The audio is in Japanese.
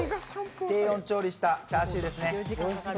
低温調理したチャーシューですね。